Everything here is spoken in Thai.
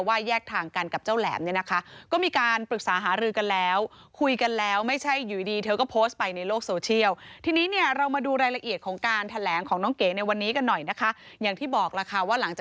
แยกทางกันกับเจ้าแหลมเนี่ยนะคะ